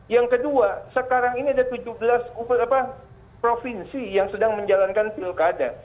yang kedua sekarang ini ada tujuh belas provinsi yang sedang menjalankan pilkada